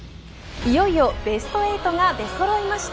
いよいよベスト８が出揃いました。